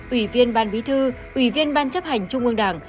ủy viên ban bí thư ủy viên ban chấp hành trung ương đảng